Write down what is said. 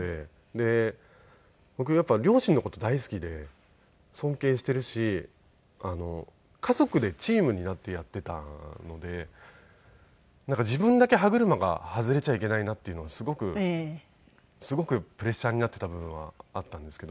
で僕やっぱり両親の事大好きで尊敬しているし家族でチームになってやっていたので自分だけ歯車が外れちゃいけないなっていうのがすごくプレッシャーになっていた部分はあったんですけど。